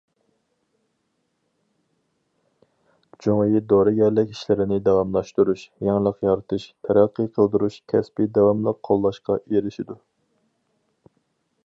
جۇڭيى دورىگەرلىك ئىشلىرىنى داۋاملاشتۇرۇش، يېڭىلىق يارىتىش، تەرەققىي قىلدۇرۇش كەسپى داۋاملىق قوللاشقا ئېرىشىدۇ.